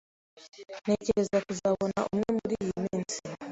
Ntegereje kuzakubona umwe muriyi minsi.